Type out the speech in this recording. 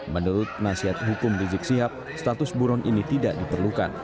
menurut nasihat hukum rizik sihab status buron ini tidak diperlukan